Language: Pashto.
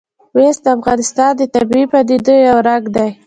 مس د افغانستان د طبیعي پدیدو یو رنګ دی.